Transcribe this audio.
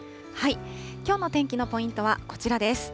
きょうの天気のポイントは、こちらです。